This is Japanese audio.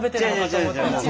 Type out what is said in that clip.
違います